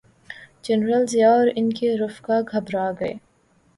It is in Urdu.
جنرل ضیاء اور ان کے رفقاء گھبرا گئے۔